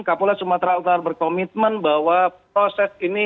kapolda sumatera utara berkomitmen bahwa proses ini